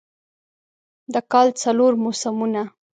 د کال څلور موسمونه